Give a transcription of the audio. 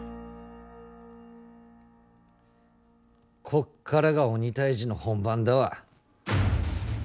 こっからが鬼退治の本番だわ。